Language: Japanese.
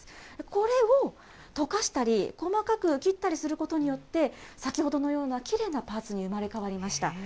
これを溶かしたり、細かく切ったりすることによって、先ほどのようなきれいなパーツに生まれ変わりました。